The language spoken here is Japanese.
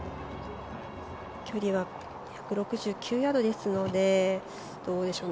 距離は１６９ヤードですのでどうでしょう